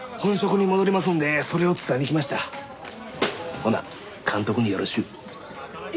ほな監督によろしゅう。え